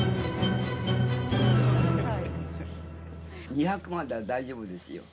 ２００ までは大丈夫ですよ。